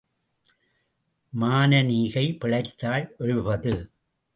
மானனீகை பிழைத்தாள் எழுபது.